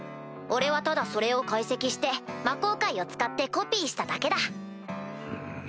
俺はただそれを解析して魔鋼塊を使ってコピーしただけだ。